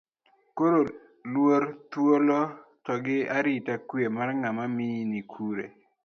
Koro, luor, thuolo to gi arita kwe mar ng'ama miyo ni kune?